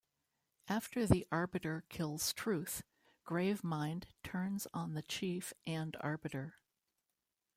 After the Arbiter kills Truth, Gravemind turns on the Chief and Arbiter.